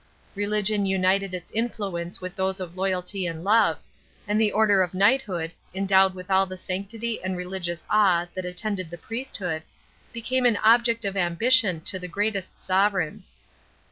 Religion united its influence with those of loyalty and love, and the order of knighthood, endowed with all the sanctity and religious awe that attended the priesthood, became an object of ambition to the greatest sovereigns.